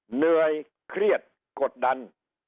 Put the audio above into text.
เหนื่อยเครียดกดดัน